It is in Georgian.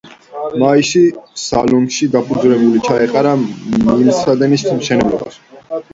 მაისში სალონიკში საფუძველი ჩაეყარა მილსადენის მშენებლობას.